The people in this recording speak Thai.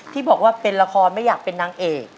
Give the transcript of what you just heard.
ที่บอกว่าเป็นละครไม่อยากเป็นนางเอก